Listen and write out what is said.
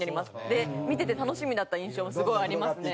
で見てて楽しみだった印象もすごいありますね。